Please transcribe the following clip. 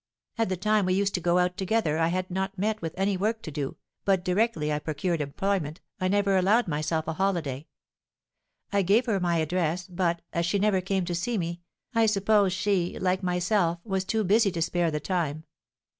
At the time we used to go out together I had not met with any work to do, but directly I procured employment, I never allowed myself a holiday. I gave her my address, but, as she never came to see me, I suppose she, like myself, was too busy to spare the time.